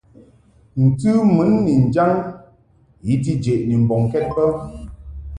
Ntɨ mun ni njaŋ i ti jeʼni mbɔŋkɛd bə.